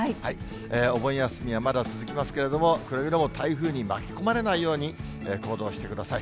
お盆休みはまだ続きますけれども、くれぐれも台風に巻き込まれないように行動してください。